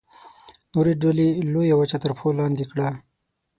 نورې ډلې لویه وچه تر پښو لاندې کړه.